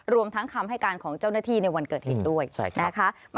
รวมทั้งคำให้การของเจ้าหน้าที่ในวันเกิดเหตุด้วยนะคะ